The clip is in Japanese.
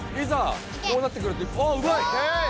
あうまい！